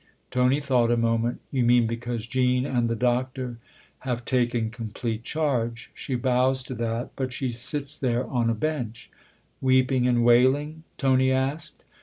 Tony thought a moment. " You mean because Jean and the Doctor ?"" Have taken complete charge. She bows to that, but she sits there on a bench "" Weeping and wailing?" Tony asked.